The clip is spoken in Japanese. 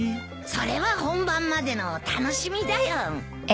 それは本番までのお楽しみだよ。